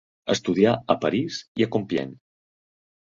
Estudià a París i a Compiègne.